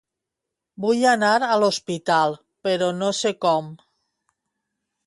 Vull anar a l'hospital, però no sé com.